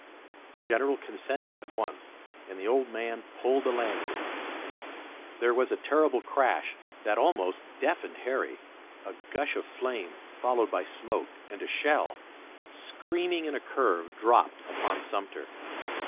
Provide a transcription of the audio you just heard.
The General consented at once, and the old man pulled the lanyard. There was a terrific crash that almost deafened Harry, a gush of flame, followed by smoke, and a shell, screaming in a curve, dropped upon Sumter.